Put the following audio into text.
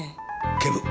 警部。